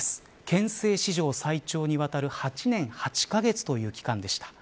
憲政史上最長にわたる８年８か月という期間でした。